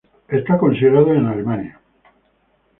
Es considerado en Alemania.